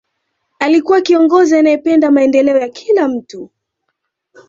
alikuwa kiongozi anayependa maendeleo ya kila mtu